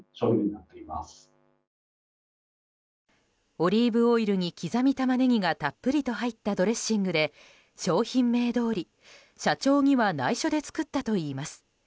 オリーブオイルに刻みタマネギがたっぷりと入ったドレッシングで商品名どおり社長には内緒で作ったといいます。